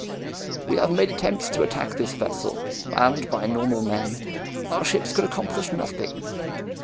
We have made attempts to attack this vessel. Manned by normal men, our ships could accomplish nothing."